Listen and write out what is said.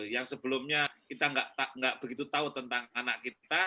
yang sebelumnya kita tidak begitu tahu tentang anak kita